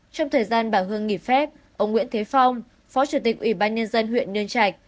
trong thời gian bà hương nghỉ phép ông nguyễn thế phong phó chủ tịch ủy ban nhân dân huyện nhân trạch